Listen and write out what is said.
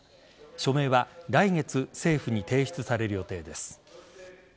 署名は来月政府に提出される予定です。